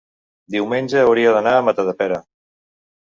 diumenge hauria d'anar a Matadepera.